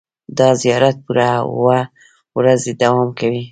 دا زیارت پوره اوه ورځې دوام کوي.